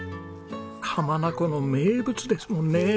浜名湖の名物ですもんね！